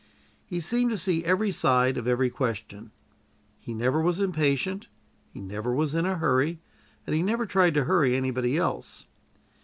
He seemed to see every side of every question. He never was impatient, he never was in a hurry, and he never tried to hurry anybody else.